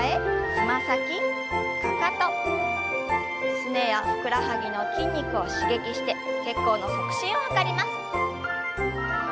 すねやふくらはぎの筋肉を刺激して血行の促進を図ります。